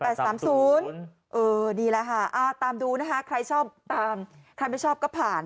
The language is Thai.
นี่แหละค่ะตามดูนะคะใครชอบตามใครไม่ชอบก็ผ่าน